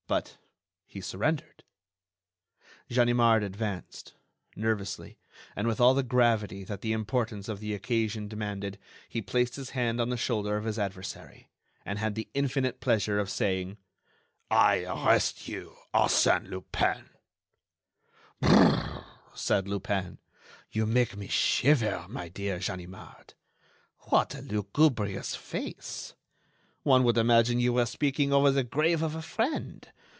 But he surrendered! Ganimard advanced, nervously, and with all the gravity that the importance of the occasion demanded, he placed his hand on the shoulder of his adversary, and had the infinite pleasure of saying: "I arrest you, Arsène Lupin." "Brrr!" said Lupin, "you make me shiver, my dear Ganimard. What a lugubrious face! One would imagine you were speaking over the grave of a friend.